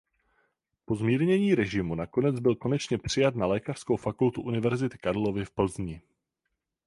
Po zmírnění režimu nakonec byl konečně přijat na Lékařskou fakultu Univerzity Karlovy v Plzni.